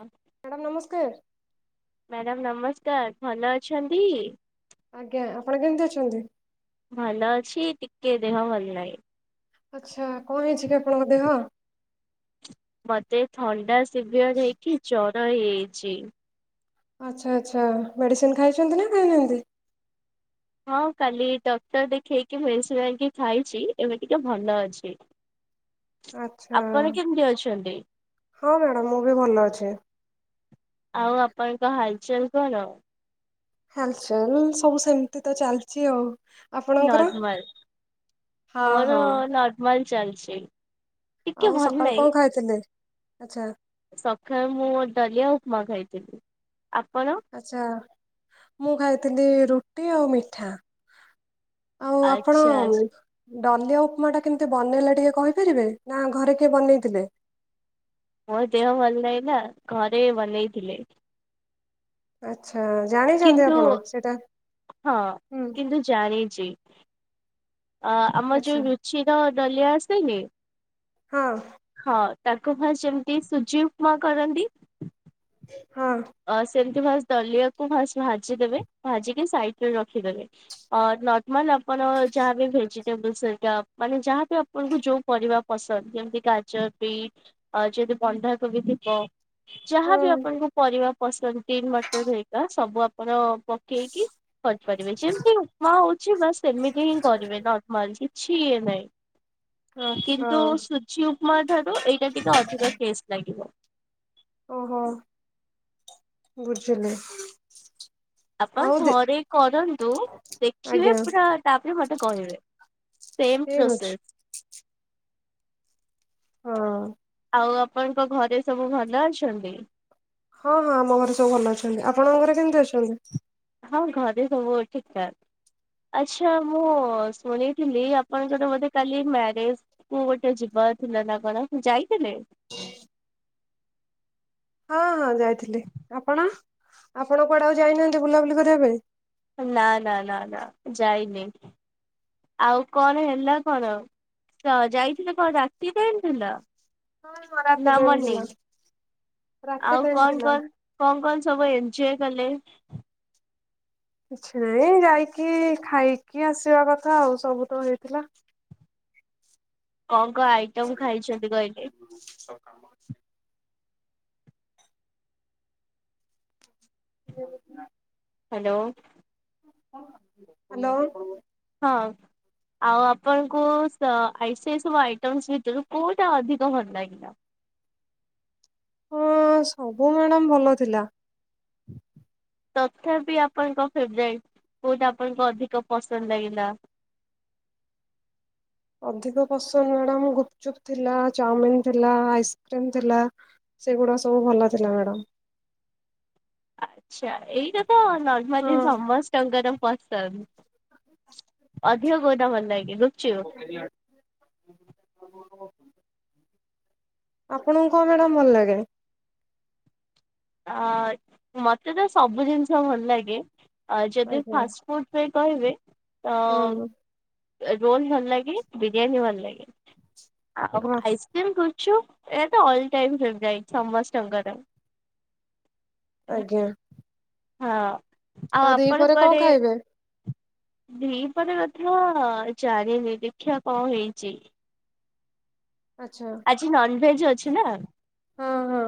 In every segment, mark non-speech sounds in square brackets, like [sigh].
ହଁ ମ୍ୟାଡ଼ାାମ ନମସ୍କାର। ମ୍ୟାଡ଼ାମ ନମସ୍କାର ଭଲ ଅଛନ୍ତି? ଆଜ୍ଞା ଆପଣ କେମିତି ଅଛନ୍ତି? ଭଲ ଅଛି ଟିକେ ଦେହ ଭଲ ନାହିଁ। ଆଚ୍ଚ୍ଛା କଣ ହେଇଛି କି ଆପଣଙ୍କ ଦେହ। ମତେ ଥଣ୍ଡା ଶିବିୟର ହେଇକି ଜର ହେଇଛି ଆଚ୍ଛା ଆଚ୍ଛା ମେଡିସିନ ଖାଇଛନ୍ତି ନା ଖାଇନାହାନ୍ତି? ହଁ କାଲି ଡକ୍ଟର ଦେଖେଇକି ମେଡିସିନ ଆଣିକି ଖାଇଛି ଏବେ ଟିକେ ଭଲ ଅଛି। ଆଛା ଆପଣ କେମିତି ଅଛନ୍ତି? ହଁ ମ୍ୟାଡାମ ମୁଁ ବି ଭଲ ଅଛି। ଆଉ ଆପଣଙ୍କ ହାଲଚାଲ କଣ? ହଲ ଚାଲ ସବୁ ସେମିତି ତ ଚାଲିଛି ଆଉ। ଆପଣଙ୍କର ନର୍ମାଲ ହଁ ମୋର ହଁ ନର୍ମାଲ ଚାଲିଛି। ଟିକେ ଆଉ ଭଲ ସକାଳୁ ନାହିଁ କଣ ଖାଇଥିଲେ ଆଛା ସକାଳେ ମୁଁ ଡଲିଆ ଉପମା ଖାଇଥିଲି ଆପଣ। ଆଚ୍ଛା ମୁଁ ଖାଇଥିଲି ରୁଟି ଆଉ ମିଠା। ଆଉ ଆପଣ ଆଚ୍ଛା ଆଚ୍ଛା ଡଲିଆ ଉପମା ଟା କେମିତି ବନେଇଲେ ଟିକେ କହିପାରିବେ ନା ଘରେ କିଏ ବନେଇଥିଲେ। ମୋ ଦେହ ଭଲ ନାହିଁ ନା ଘରେ ବନେଇଥିଲେ। ଆଚ୍ଚ୍ଛା ଜାଣିଛନ୍ତି କିନ୍ତୁ ଆପଣ ସେଇଟା ହଁ ହୁଁ। କିନ୍ତୁ ଜାଣିଛି। ଅ ଆମ ଆଚ୍ଛା ଯୋଉ ରୁଚିର ଡଲିଆ ଆସେନି ହଁ ହଁ। ତାକୁ ଫାଷ୍ଟ ଯେମିତି ସୁଜି ଉପମା କରନ୍ତି। ହଁ। ଅ ସେମତି ଫାଷ୍ଟ ଦଲିଆକୁ ଫାଷ୍ଟ ଭାଜିଦବେ ଭାଜିକି ସାଇଡ ରେ ରଖିଦେବେ। ଅ ନରମାଲ ଆପଣ ଯାହାବି ଭେଜିଟେବଲ ସେଟା ମାନେ ଯାହାବି ଆପଣଙ୍କୁ ଯୋଉ ପରିବା ପସନ୍ଦ ଯେମିତି ଗାଜର ବିଟ୍ ଅ ଯଦିି ବନ୍ଧାକୋବି ଥିବ। ଯାହା ବି ହୁଁ ଆପଣଙ୍କୁ ରିବ ଗ୍ରୀନ ମଟର ହେରୀକା ସବୁ ଆପଣ ପକେଇକି କରି ପାରିବେ ଯେମିତି ଉପମା ହଉଛି ବାସ ସେମିତି ହିଁ କରିବେ ନର୍ମାଲ ଅଛି କିଛିି ଇଏ ନହିଁ ଆଚ୍ଛା କିନ୍ତୁ ସୁଜି ଉପମା ଠାରୁ ଏଇଟା ଟିକେ ଅଧିକ ଟେଷ୍ଟ। ଲାଗିବ। ଓହୋ, ବୁଝିଲେ। ଆପଣ ଥରେ କରନ୍ତୁ, ଦେଖିବେ ଆଜ୍ଞା ପୁରା ତାପରେ ମତେ କହିବେ। ସେମ ଠିକ ଅଛି। ପ୍ରୋସେସ୍। ହଁ ଅଁ। ଆଉ ଆପଣଙ୍କ ଘରେ ସବୁ ଭଲ ଅଛନ୍ତି? ହଁ ହଁ ଆମ ଘରେ ସବୁ ଭଲ ଅଛନ୍ତି, ଆପଣଙ୍କ ଘରେ କେମିତି ଅଛନ୍ତି? ହଁ ଘରେ ସବୁ ଠିକଠାକ। ଆଛା, ମୁଁ ଶୁଣିଥିଲି ଆପଣଙ୍କର ବୋଧେ କାଲି ମ୍ୟାରେଜ କୁ ଗୋଟେ ଯିବା ଥିଲା ନା କଣ? ଯାଇଥିଲେ। ହଁ ହଁ ଯାଇଥିଲି, ଆପଣ ଆପଣ କୁଆଡେ ଆଉ ଯାଇନାହାନ୍ତି ବୁଲାବୁଲି କରିବା ପାଇଁ। ନା ନା ନା ନା ଯାଇନି। ଆଉ କଣ ହେଲା କଣ? ତ ଯାଇଥିଲେ କଣ ରାତି ଫେରିଥିଲ? ହଁ ହଁ ରାତି ଟାଇମ ନାମନି ଥିଲା। ରାତି ଆଉ ଟାଇମ କଣ ଥିଲା କର କଣ କଣ ସବୁ ଏଞ୍ଜୟ କଲେ? କିଛି ନାଇଁ ଯାଇକି ଖାଇକି ଆସିବା କଥା ଆଉ ସବୁ ତ ହେଇଥିଲା। କଣ କଣ ଆଇଟମ ଖାଇଛନ୍ତି କହିଲେ? [unintelligible] [unintelligible] ହାଲୋ। ହାଲୋ। ହଁଅଁ ଆଉ ଆପଣଙ୍କୁ ଆଇ ସବୁ ଆଇଟମ୍ ଭିତରୁ କୋଉଟା ଅଧିକ ଭଲ ଲାଗିଲା? ହଁ ସବୁ ମ୍ୟାଡ଼ାମ ଭଲ ଥିଲା। ତଥାପି ଆପଣଙ୍କ ଫେବରାଇଟ କୋଉଟା ଆପଣଙ୍କୁ ଅଧିକ ପସନ୍ଦ ଲାଗିଲା? ଅଧିକ ପସନ୍ଦ ମ୍ୟାଡ଼ାମ ଗୁପଚୁପ୍ ଥିଲା, ଚାଉମିିନ ଥିଲା, ଆଇସ୍କ୍ରିମ ଥିଲା। ସେଗୁଡ଼ାକ ସବୁ ଭଲ ଥିଲା ମ୍ୟାଡ଼ମ୍। ଆଛା, ଏଇଟା ତ ନର୍ମାଲି ହଁ। ସମସ୍ତଙ୍କର ପସନ୍ଦ, ଅଧିକ କୋଉଟା ଭଲ ଲାଗେ ଗୁପୁଚୁ [unintelligible] ଆପଣଙ୍କୁ କଣ ମ୍ୟାଡାମ ଭଲ ଲାଗେ? ଅ ମତେ ତ ସବୁ ଜିନିଷ ଭଲ ଲାଗେ, ଯଦି ଆଜ୍ଞା। ଫାଷ୍ଟ [unintelligible] କହିବେ ତ ହୁଁ ରୋଲ ଭଲ ଲାଗେ, ବିରିୟାନୀ ଭଲ ଲାଗେ ଆଉ ହଁ ଆଇ [unintelligible] ଏ ତ ଅଲ ଟାଇମ ଫେବରାଇଟ ସମସ୍ତଙ୍କର। ଆଜ୍ଞା। ହଁ ଆଉ ଆପଣ ଦିପହରେ କଣ କୁଆଡେ ଖାଇବେ? ଦିପହର କଥା ଜାଣିନି, ଦେଖିବା କଣ ହେଇଛି? ଆଛା। ଆଜି ନନଭେଜ ଅଛି ନା? ହଁ ହଁ।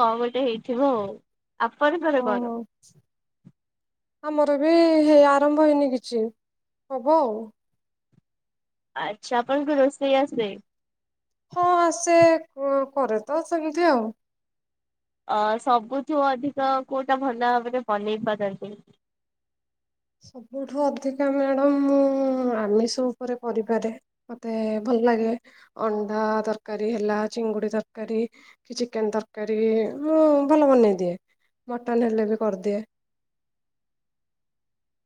କଣ ଗୋଟେ ହେଇଥିବ ଆଉ, ଆପଣଙ୍କର ଓହୋ କଣ? ଆମର ବି ହେଇ ଆରମ୍ଭ ହେଇନି କିଛି, ହବ ଆଉ। ଆଛା, ଆପଣଙ୍କୁ ରୋଷେଇ ଆସେ? ହଁ ଆସେ, କରେ ତ ସେମିତି ଆଉ। ଅ ସବୁଠୁ ଅଧିକ କୋଉଟା ଭଲ ଭାବରେ ବନେଇ ପାରନ୍ତି? ସବୁଠୁ ଅଧିକା ମ୍ୟାଡ଼ାମ ମୁଁ ଆମିଷ ଉପରେ କରିପାରେ। ମତେ ଭଲ ଲାଗେ, ଅଣ୍ଡା ତରକାରୀ ହେଲା, ଚିଙ୍ଗୁଡି ତରକାରୀ। କି ଚିକେନ ତରକାରୀ ଭଲ ବନେଇଦିଏ, ମଟନ ହେଲେ ବି କରିଦିଏ।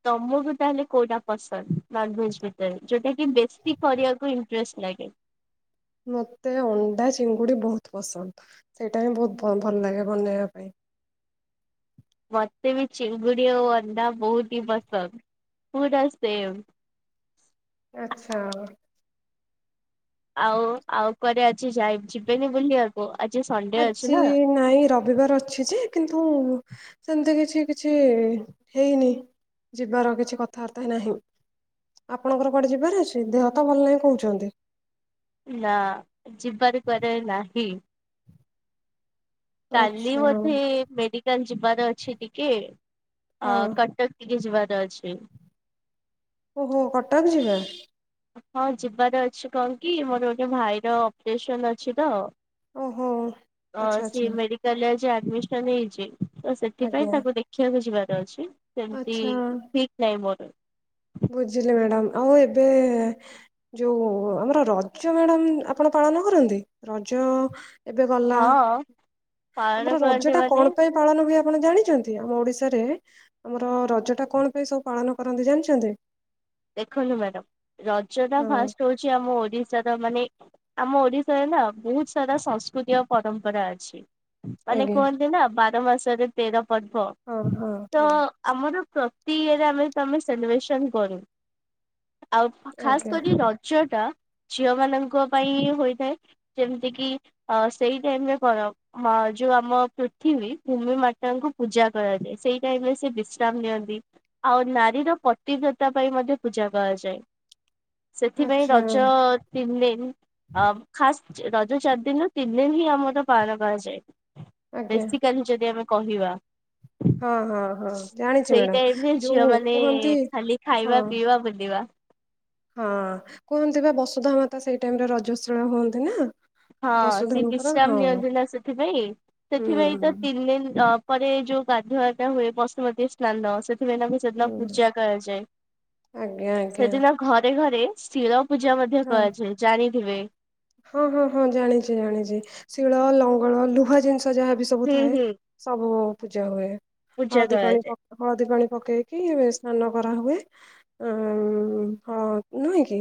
ତମକୁ ତାହେଲେ କୋଉଟା ପସନ୍ଦ ନନଭେଜ ଭିତରେ, ଯୋଉଟା କି ବେଶୀ କରିବାକୁ ଫ୍ରେଶସ୍ ଲାଗେ। ମୋତେ ଅଣ୍ଡା, ଚିଙ୍ଗୁଡ଼ି ବହୁତ୍ ପସନ୍ଦ ସେଇଟା ହିଁ ବହୁତ ଭ ଭଲ ଲାଗେ ବନେୟା ପାଇଁ। ମତେ ବି ଚିଙ୍ଗୁଡି ଆଉ ଅଣ୍ଡା ବହୁତ ହି ପସନ୍ଦ ପୁରା ସେମ୍। ଆଚ୍ଛା। ଆଉ ଆଉ କୁଆରେ ଆଜି ଯାଇ ଯିବେନି ବୁଲିଆକୁ ଆଜି ସଣ୍ଡେ ଅଛି ଆଜି ନା? ନାଇଁ ର ବିବାର ଅଛି ଯେ କିନ୍ତୁ ସେମିତି କିଛି କିଛି ଏ ହେଇନି। ଯିବାର କିଛି କଥାଆର୍ତ୍ତା ହି ନାହିଁ। ଆପଣଙ୍କର କୁଆଡେ ଯିବାର ଅଛି ଦେହ ତ ଭଲ ନାହିଁ କହୁଚନ୍ତି? ନା ଯିବାରେ କୁଆରେ ନାହିଁ। କାଲି ଆଚ୍ଛା। ବୋଧେ ମେଡିକାଲ୍ ଯିବାର ଅଛି ଟିକେ ଅ ହଁ କଟକ୍। [unintelligible] କି ଯିବାର ଅଛି। ଓହୋ କଟକ ଯିବେ। ହଁ ଯିବାର ଅଛି କଣ କି ମୋର ଗୋଟେ ଭାଇର ଅପରେସନ୍ ଅଛି ତ। ଓହୋ। ଆଚ୍ଛା ଅ ସିଏ ଆଚ୍ଛା ମେଡିକାଲରେ ଆଜି ଆଡମିସନ୍ ହେଇଚି। ତ ସେଥିପାଇଁ ଆଜ୍ଞା ତାଙ୍କୁ ଦେଖିଆକୁ ଯିବାର ଅଛି ସେମିତି ଆଚ୍ଛା ଠିକ୍ ନାଇଁ ମୋର। ବୁଝିଲି ମ୍ୟାଡ଼ାମ୍ ଆଉ ଏବେ ଯୋଉ ଆମର ରଜ ମ୍ୟାଡାମ୍ ଆପଣ ପାଳନ କରନ୍ତି? ରଜ ଏବେ ଗଲା ହଁ ପାଳନ ଆମର ରଜ କରନ୍ତି ଟା ମାନେ କଣ ପାଇଁ ପାଳନ ହୁଏ ଆପଣ ଜାଣିଚନ୍ତି ଆମ ଓଡିଶାରେ ଆମର ରଜ ଟା କଣ ପାଇଁ ସବୁ ପାଳନ କରନ୍ତି ଜାଣିଚନ୍ତି? ଦେଖନ୍ତୁ ମ୍ୟାଡାମ୍ ରଜ ଟା ହଁ ଫାଷ୍ଟ ହଉଚି ଆମ ଓଡିଶାର ମାନେ ଆମ ଓଡିଶାରେ ନା ବହୁତ୍ ସାରା ସଂସ୍କୃତି ଓ ପରମ୍ପରା ଅଛି। ମାନେ ଆଜ୍ଞା କୁହନ୍ତି ନା ବାର ମାସରେ ତେର ପର୍ବ। ହଁ ହଁ ତ ହଁ। ଆମର ପ୍ରତି ଇୟରେ ଆମେ ତମେ ସେଲିବ୍ରେସନ୍ କରୁ। ଆଉ ଖାସ୍ ଆଜ୍ଞା କରି ରଜ ଟା ଝିଅ ମାନଙ୍କ ପାଇଁ ହୋଇଥାଏ। ଯେମିତି କିି ଅ ସେଇ ଟାଇମ୍ ଏ କର ହ ଯୋଉ ଆମ ପୃଥିବୀ ଭୂମି ମାତାଙ୍କୁ ପୂଜା କରାଯାଏ ସେଇ ଟାଇମ୍ ରେ ସେ ବିଶ୍ରାମ୍ ନିଅନ୍ତି। ଆଉ ନାରୀର ପ୍ରତିବ୍ରତା ପାଇଁ ମଧ୍ୟ ପୂଜା କଆଯାଏ ସେଥିପାଇଁ ଆଚ୍ଛା ରଜ ତିନ୍ ଦିନ୍ ଅ ଖାସ୍ ଯେ ରଜ ଚାରି ଦିନରୁ ତିନ୍ ଦିନ୍ ହିଁ ଆମର ପାଳନ କଆଯାଏ। ଆଜ୍ଞା ବେଶିକାଲି ଯଦି ଆମେ କହିବା ହଁ ହଁ ହଁ ଜାଣିଛି ସେଇ ମ୍ୟାଡ଼ାମ ଟାଇମ୍ ଏ ଝିଅ ଯୋଉ ମାନେ କୁହନ୍ତି ଖାଲି ହଁ ଖାଇବା, ପିଇବା, ବୁଲିବା। ହଁ କୁହନ୍ତି ପା ବସୁଧା ମାତା ସେଇ ଟାଇମରେ ରଜଶୀଳ ହୁଅନ୍ତି ନା? ହ ସିଏ ବସୁଧାଙ୍କର ବିଶ୍ରାମ ହଁ ନିଅନ୍ତି ନା ସେଥିପାଇଁ ସେଥିପାଇଁ ତ ହୁଁ ତିନି ଦିନ୍ ଅ ପରେ ଯୋଉ ଗାଧୁଆ ଆଦା ହୁଏ ବଶୁପତି ସ୍ନାନ ସେଥିପାଇଁ ତାଙ୍କୁ ସେଦିନ୍ ହୁଁ ପୂଜା କରାଯାଏ ଆଜ୍ଞା ଆଜ୍ଞା ସେଦିନ ଘରେ ଘରେ ଶିଳ ପୂଜା ମଧ୍ୟ ହଁ କଆଯାଏ ଜାଣିଥିବେ? ହଁ ହଁ ହଁ ଜାଣିଚି ଜାଣିଚି ଶିଳ ଲଙ୍ଗଳ ଲୁହା ଜିନିଷ ଯାହାବି ସବୁ ହୁଁ ଥାଏ ହୁଁ ସବୁ ପୂଜା ହୁଏ ପୂଜା ହଳଦୀ ପାଣି କରାଯାଏ। ପ ହଳଦୀ ପାଣି ପକେଇକି ସ୍ନାନ କରାହୁଏ। ଅଁ ହଁ ନୁହେଁ କି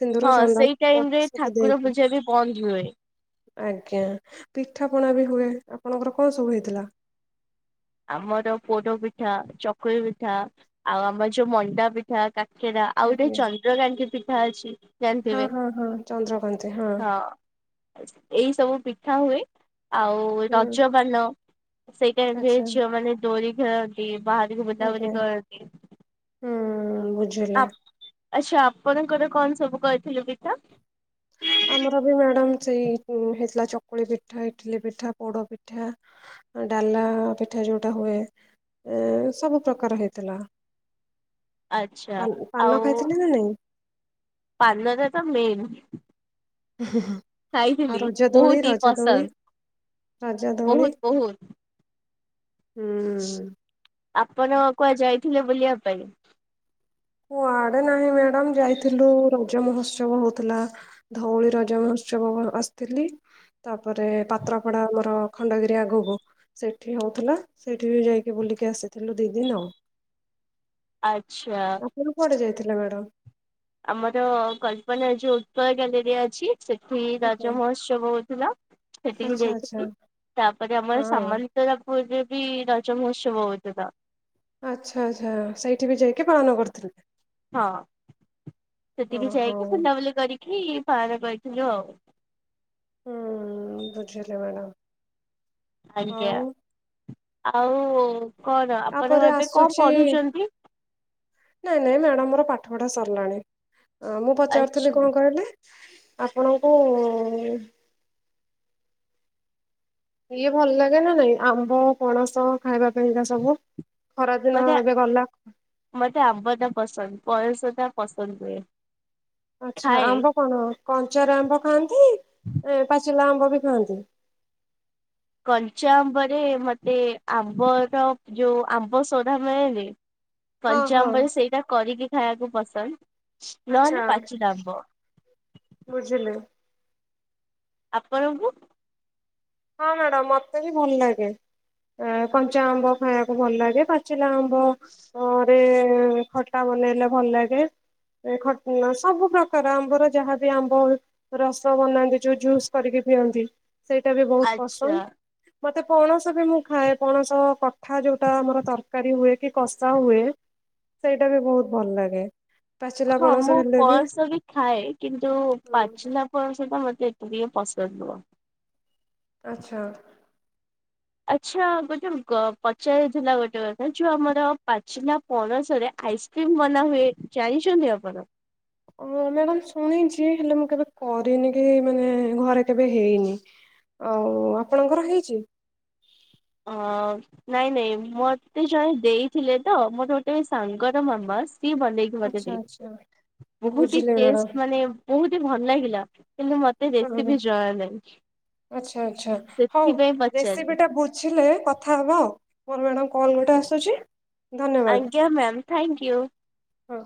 ସିନ୍ଦୁର, ଚନ୍ଦନ ସବୁ ଦେଇ ଯଦି ବନ୍ଦ ହୁଏ। ଆଜ୍ଞା ପିଠାପଣା ବି ହୁଏ ଆପଣଙ୍କର କଁ ସବୁ ହେଇଥିଲା? ଆମର ପୋଡ ପିଠା, ଚକୁଳି ପିଠା, ଆଉ ଆମର ଯୋଉ ମଣ୍ଡା ପି ଠା କାକେରା ଆଉ ଗୋଟେ ଆଜ୍ଞା ଚନ୍ଦ୍ରକାଙ୍କି ପିଠା ଅଛି। ହଁ ଜାଣିଥିବେ। ହଁ ହଁ ଚନ୍ଦ୍ରକାନ୍ତି ହଁ। ଏଇ ସବୁ ପିଠା ହୁଏ ଆଉ ହୁଁ ରଜପାନ ସେଇ ଟାଇମରେ ଆଚ୍ଛା ଝିଅ ମାନେ ଦୋରି ଖେଳନ୍ତି ବାହାରୁକୁ ଆଜ୍ଞା। ବୁଲାବୁଲି କରନ୍ତି। ହୁଁ। ବୁଝିଲେ ଆ ଆଚ୍ଛା ଆପଣଙ୍କର କଣ ସବୁ କରିଥିଲେ ପିଠା? ଆମର ବି ମ୍ୟାଡାମ୍ ସେଇ ହେଇଥିଲା ଚକୁଳି ପିଠା, ଇଟିଲି ପିଠା, ପୋଡ଼ପିଠା। ଡା଼ଲା ପିଠା ଯୋଉଟା ହୁଏ। ଏ ସବୁ ପ୍ରକାର ହେଇଥିଲା‌ ଆଚ୍ଛା ପା ପାନ ଖାଇଥିଲେ ନା ନାଇଁ? ପାନ ଟା ତ ମେନ୍। ଆଉ ଖାଇଥିଲି ବହୁତ ରଜଦୋଳି ହି ରଜଦୋଳି ପସନ୍ଦ ରଜଦୋଳି ବହୁତ ବହୁତ ହୁଁ। ଆପଣ କୁଆଡ଼େ ଯାଇଥିଲେ ବୁଲିବା ପାଇଁ? କୁଆଡ଼େ ନାହିଁ ମ୍ୟାଡ଼ାମ୍ ଯାଇଥିଲୁ ରଜ ମହୋଉତ୍ସବ ହଉଥିଲା। ଧଉଳି ରଜ ମହୋଉତ୍ସବ ଆସିଥିଲି। ତାପରେ ପାତ୍ରପଡା଼ ଆମର ଖଣ୍ଡଗିରି ଆଗକୁ। ସେଠି ହଉଥିଲା ସେଇଠି ବି ଯାଇକି ବୁଲିକି ଆସିଥିଲୁ ଦି ଦିନ। ଆଚ୍ଛା। ଆପଣ କୁଆଡ଼େ ଯାଇଥିଲେ ମ୍ୟାଡ଼ାମ୍? ଆମର କଳ୍ପନା ଯୋଉ ଉତ୍କଳ ଗ୍ୟାଲେରୀ ଅଛି ସେଠି ଆଜ୍ଞା ରାଜମହୋ ଉତ୍ସବ ହଉଥିଲା ସେଠିକି ଆଚ୍ଛା ଆଚ୍ଛା ଯାଇଥିଲି। ତାପରେ ଆମର ହଁ। ସାମନ୍ତରାପୁର୍ ରେ ବି ରଜ ମହୋଉତ୍ସବ ହଉଥିଲା। ଆଚ୍ଛା ଆଚ୍ଛା ସେଇଠି ବି ଯାଇକି ପାଳନ କରିଥିଲେ। ହଁ ସେଠିକି ଓହୋ। ଯାଇକି ବୁଲାବୁଲି କରିକି ପାଳନ କରିଥିଲୁ ଆଉ। ହୁଁ ବୁଝିଲି ମ୍ୟାଡ଼ାମ୍। ଆଜ୍ଞା ଆଉ କଣ ଆପଣ ତାପରେ ଏବେ କଣ ଆସୁଛି ପଢୁଛନ୍ତି? ନାଇଁ ନାଇଁ ମ୍ୟାଡାମ୍ ମୋର ପାଠ ପଢ଼ା ସରିଲାଣି ମୁଁ ଆଚ୍ଛା ପଚାରୁଥିଲି କଣ କହିଲେ ଆପଣଙ୍କୁ ଇଏ ଭଲ ଲାଗେ ନା ନାଇଁ ଆମ୍ବ, ପଣସ ଖାଇବା ପାଇଁକା ସବୁ। ଖରାଦିନ ମତେ ଏବେ ଗଲା। ମତେ ଆମ୍ବ ଟା ପସନ୍ଦ ପଣସଟା ପସନ୍ଦ ନୁହେଁ। ଆଚ୍ଛା ଖାଏ ଆମ୍ବ କଣ କଞ୍ଚାର ଆମ୍ବ ଖାଆନ୍ତି ପାଚିଲା ଆମ୍ବ ବି ଖାଆନ୍ତି? କଞ୍ଚା ଆମ୍ବରେ ମତେ ଆମ୍ବର ଯୋଉ ଆମ୍ବ ସଢା଼ ମିଳେନି। ହଁ କଞ୍ଚା ହଁ ଆମ୍ବରେ ସେଇଟା କରିକି ଖାଇବାକୁ ପସନ୍ଦ। ଆଚ୍ଛା ନହେଲେ ପାଚିଲା ଆମ୍ବ। ବୁଝିଲି। ଆପଣଙ୍କୁ? ହଁ ମ୍ୟାଡାମ୍ ମତେ ବି ଭଲ ଲାଗେ କଞ୍ଚା ଆମ୍ବ ଖାଇବାକୁ ଭଲ ଲାଗେ ପାଚିଲା ଆ ଘରେ ଖଟା ବନେଇଲେ ଭଲ ଲାଗେ। ଖ ସବୁ ପ୍ରକାର ଆମ୍ବର ଯାହାବି ଆମ୍ବ ରସ ବନାନ୍ତି ଯୋଉ ଜୁସ୍ କରିକି ପିଅନ୍ତି ସେଇଟା ବି ବହୁତ୍ ଆଚ୍ଛା ପସନ୍ଦ। ମତେ ପଣସ ବି ମୁଁ ଖାଏ ପଣସ କଠା ଯୋଉଟା ଆମର ତରକାରୀ ହୁଏ କି କଷା ହୁଏ। ସେଇଟା ବି ବହୁତ୍ ଭଲ ଲାଗେ। ପାଚିଲା ହଁ ପଣସ ମୁଁ ହେଲେ ପଣସ ବି ଖାଏ କିନ୍ତୁ ହୁଁ ପାଚିଲା ପଣସ ଟା ମତେ ଏତେ ଟିକେ ପସନ୍ଦ ନୁହଁ। ଆଚ୍ଛା। ଆଚ୍ଛା ଗୋଟେ ପଚାରିଥିଲା ଗୋଟେ କଥା ଯୋଉ ଆମର ପାଚିଲା ପଣସରେ ଆଇସ୍ କ୍ରିମ୍ ବନା ହୁଏ ଜାଣିଛନ୍ତି ଆପଣ? ଓ ମ୍ୟାଡ଼ାମ ଶୁଣିଛି ହେଲେ ମୁଁ କେବେ କରିନି କି ମାନେ ଘରେ କେବେ ହେଇନି। ଆଉ ଆପଣଙ୍କର ହେଇଛି? ହଁ। ନାଇଁ ନାଇଁ ମତେ ଜଣେ ଦେଇଥିଲେ ତ ମୋର ଗୋଟେ ସାଙ୍ଗର ମାମା ସିଏ ବନେଇ ମତେ ଆଚ୍ଛା ଦେଇଥିଲେ ଆଚ୍ଛା ବହୁତ୍ ହିଁ ବୁଝିଲେ ଟେଷ୍ଟ୍ ମ୍ୟାଡାମ ମାନେ ବହୁତ୍ ହିଁ ଭଲ ଲାଗିଲା କିନ୍ତୁ ମ ମତେ ହୁଁ ରେସିପି ଜଣା ନାହିଁ ଆଚ୍ଛା ଆଚ୍ଛା ହଉ ସେଥିପାଇଁ ରେସିପି ପଚାରିଲି। ଟା ବୁଝିଲେ କଥା ହବା ଆଉ ମୋର ମ୍ୟାଡ଼ାମ୍ କଲ ଗୋଟେ ଆସୁଛି। ଧନ୍ୟବାଦ ଆଜ୍ଞା ମ୍ୟାମ୍ ଥ୍ୟାଙ୍କୟୁ। ହଁ।